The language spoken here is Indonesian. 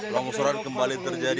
longsoran kembali terjadi